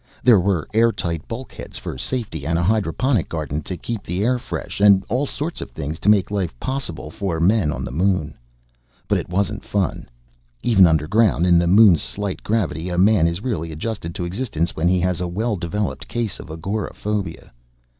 There were air tight bulkheads for safety, and a hydroponic garden to keep the air fresh, and all sorts of things to make life possible for men under if not on the Moon. But it wasn't fun, even underground. In the Moon's slight gravity, a man is really adjusted to existence when he has a well developed case of agoraphobia.